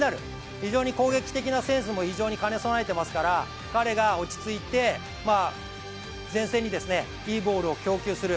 非常に攻撃的なセンスも兼ね備えていますから彼が、落ち着いて前線にいいボールを供給する。